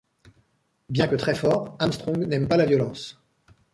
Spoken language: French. Bien que très fort, Armstrong n'aime pas la violence.